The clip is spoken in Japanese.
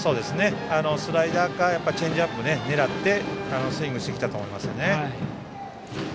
スライダーかチェンジアップを狙ってスイングをしてきたと思いますね。